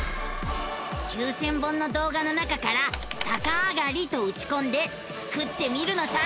９，０００本の動画の中から「さかあがり」とうちこんでスクってみるのさ！